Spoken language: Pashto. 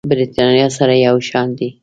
برېتانيا سره یو شان دي.